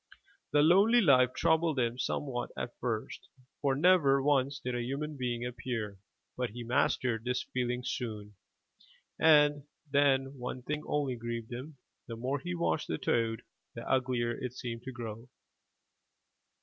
The lonely life troubled him somewhat at first, for never once did a human being appear, but he mastered this feeling soon, and 3^7 MY BOOK HOUSE then one thing only grieved him — the more he washed the toad, the uglier it seemed to grow.